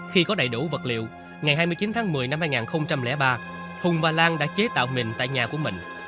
khi có đầy đủ vật liệu ngày hai mươi chín tháng một mươi năm hai nghìn ba hùng và lan đã chế tạo mình tại nhà của mình